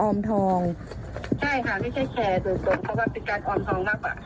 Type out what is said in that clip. ทองใช่ค่ะไม่ใช่แชร์โดยตรงเพราะว่าเป็นการออมทองรับอ่ะ